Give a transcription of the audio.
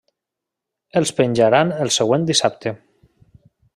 Els penjaran el següent dissabte.